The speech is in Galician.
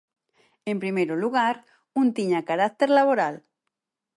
En primeiro lugar, un tiña carácter laboral.